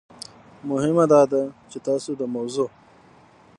مهم داده چې تاسو د موضوع